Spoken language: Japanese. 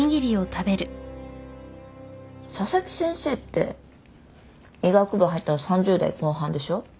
佐々木先生って医学部入ったの３０代後半でしょ？